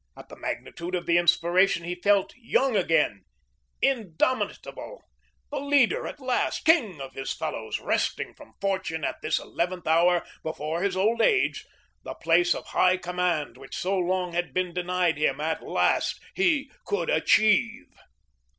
At the magnitude of the inspiration he felt young again, indomitable, the leader at last, king of his fellows, wresting from fortune at this eleventh hour, before his old age, the place of high command which so long had been denied him. At last he could achieve.